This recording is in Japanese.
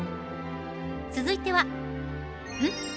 続いてはん？